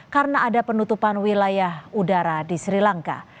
karena ada penutupan wilayah udara di sri lanka